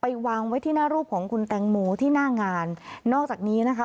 วางไว้ที่หน้ารูปของคุณแตงโมที่หน้างานนอกจากนี้นะคะ